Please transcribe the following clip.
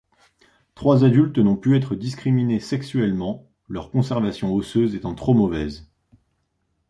Trois adultes n’ont pu être discriminés sexuellement, leur conservation osseuse étant trop mauvaise.